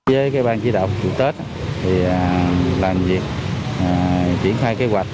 với cái bang chỉ động chủ tết thì làm việc triển khai kế hoạch